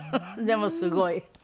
でもすごい。